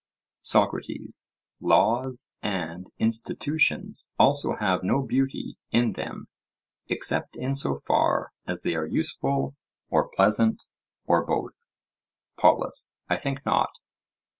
SOCRATES: Laws and institutions also have no beauty in them except in so far as they are useful or pleasant or both? POLUS: I think not.